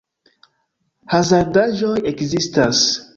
Hazardaĵoj ekzistas.